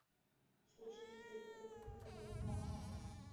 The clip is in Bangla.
শশী ব্যাকুলভাবে কহিল, কেন?